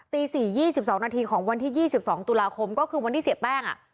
ตีสี่ยี่สิบสองนาทีของวันที่ยี่สิบสองตุลาคมก็คือวันที่เสียแป้งอ่ะ